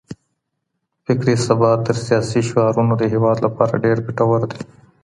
فکري ثبات تر سياسي شعارونو د هېواد لپاره ډېر ګټور دی.